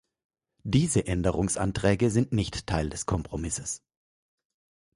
Diese Änderungsanträge sind nicht Teil des Kompromisses.